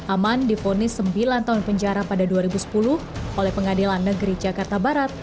aman difonis sembilan tahun penjara pada dua ribu sepuluh oleh pengadilan negeri jakarta barat